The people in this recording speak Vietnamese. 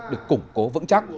được củng cố vững chắc